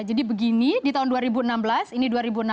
jadi begini di tahun dua ribu enam belas ini dua ribu enam belas